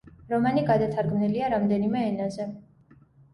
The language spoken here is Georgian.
რომანი გადათარგმნილია რამდენიმე ენაზე.